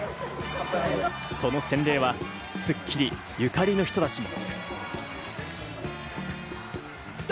その洗礼はスッキリゆかりの人たちも。